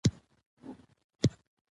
په ډېر جبر په خواریو مي راتله دي